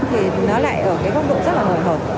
thì nó lại ở cái góc độ rất là hồi hộp